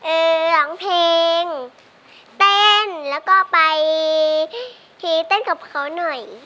ร้องเพลงเต้นแล้วก็ไปทีเต้นกับเขาหน่อย